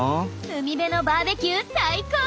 海辺のバーベキュー最高！